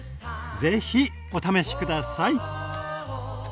ぜひお試し下さい。